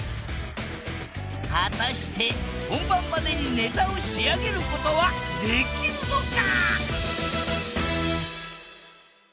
果たして本番までにネタを仕上げることはできるのか？